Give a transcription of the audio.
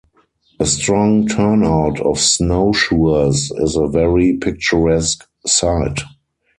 A strong turnout of snow-shoers is a very picturesque sight.